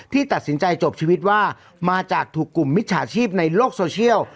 ตัดสินใจจบชีวิตว่ามาจากถูกกลุ่มมิจฉาชีพในโลกโซเชียล